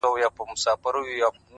د زړه سکون له سم نیت راټوکېږي,